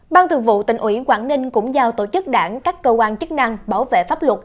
ban thường vụ tỉnh ủy quảng ninh cũng giao tổ chức đảng các cơ quan chức năng bảo vệ pháp luật